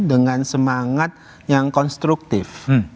dengan semangat yang konstruktif